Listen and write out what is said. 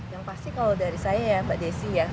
yang pasti kalau dari saya ya mbak desi ya